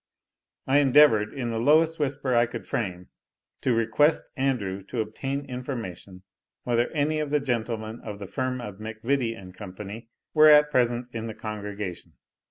I endeavoured, in the lowest whisper I could frame, to request Andrew to obtain information, whether any of the gentlemen of the firm of MacVittie & Co. were at present in the congregation.